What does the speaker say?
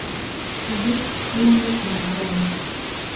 — Егет ҡыйынлыҡ менән һораны.